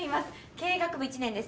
経営学部１年です。